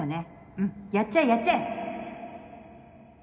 うんやっちゃえやっちゃえ！